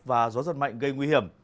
và gió giật mạnh gây nguy hiểm